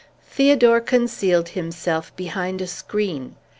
Theodore concealed himself behind a screen.